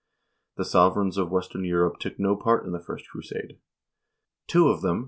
The sovereigns of western Europe took no part in the first crusade. Two of them, 1 T.